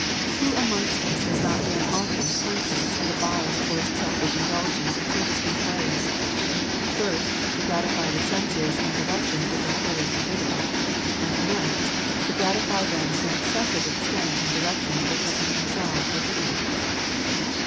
Who amongst us has not been often conscious of a bias towards selfish in dulgence in two distinct ways; first, to gratify the senses in directions which are wholly forbidden; and next, to gratify them to an excessive extent in directions which are in themselves legitimate